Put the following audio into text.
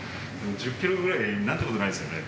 １０キロぐらい、なんてことないですよね？